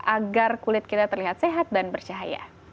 agar kulit kita terlihat sehat dan bercahaya